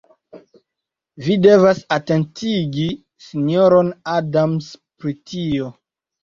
Vi devas atentigi sinjoron Adams pri tio.